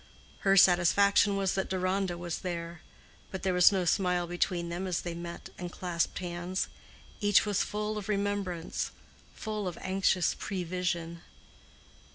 Her satisfaction was that Deronda was there; but there was no smile between them as they met and clasped hands; each was full of remembrance—full of anxious prevision.